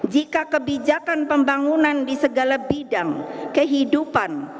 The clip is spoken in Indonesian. jika kebijakan pembangunan di segala bidang kehidupan